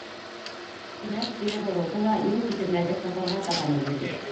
Кинәт кире боролдо ла юл ситендәге соҡорға табан йүгерҙе.